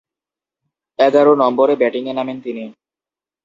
এগারো নম্বরে ব্যাটিংয়ে নামেন তিনি।